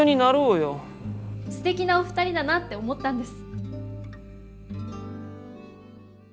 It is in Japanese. すてきなお二人だなって思ったんです。